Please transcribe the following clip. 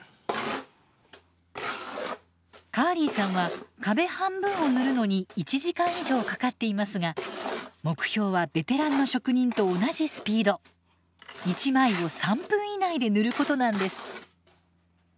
カーリーさんは壁半分を塗るのに１時間以上かかっていますが目標はベテランの職人と同じスピード１枚を３分以内で塗ることなんです。